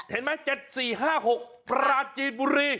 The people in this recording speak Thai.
เห็นไหม๗๔๕๖ปราจีนบุรี